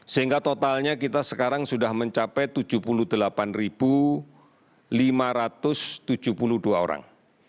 sehingga totalnya kita sekarang sudah mencapai tujuh puluh delapan lima ratus tujuh puluh dua orang